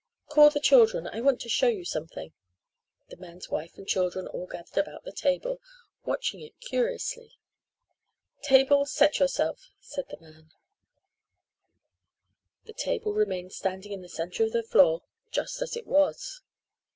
Call the children. I want to show you something." The man's wife and children all gathered about the table, watching it curiously. "Table, set yourself," said the man. [Illustration: "Table, set yourself," said the man] The table remained standing in the center of the floor just as it was.